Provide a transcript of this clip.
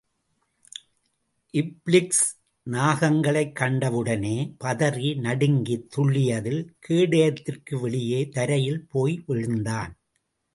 இபிக்ளிஸ், நாகங்களைக் கண்டவுடனே பதறி நடுங்கித் துள்ளியதில், கேடயத்திற்கு வெளியே தரையில் போய் விழுந்தான்.